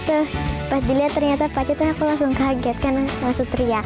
terus pas dilihat ternyata pacat aku langsung kaget kan langsung teriak